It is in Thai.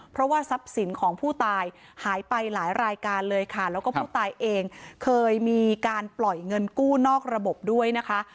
เพราะว่าทรัพย์สินของผู้ตายหายไปหลายรายการเลยค่ะแล้วก็ผู้ตายเองเคยมีการปล่อยเงินกู้นอกระบบด้วยนะคะ